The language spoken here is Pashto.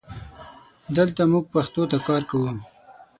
دلته مونږ پښتو ته کار کوو